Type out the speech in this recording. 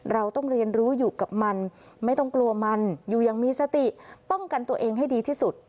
เราต้องเรียนรู้อยู่กับมันไม่ต้องกลัวมันอยู่อย่างมีสติป้องกันตัวเองให้ดีที่สุด